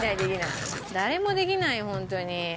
誰もできないホントに。